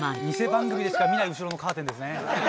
「ニセ番組でしか見ない後ろのカーテンですね」